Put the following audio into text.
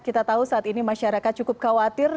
kita tahu saat ini masyarakat cukup khawatir